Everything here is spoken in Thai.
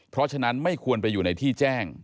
เพราะฉะนั้นไม่ควรไปอยู่ในที่แจ้ง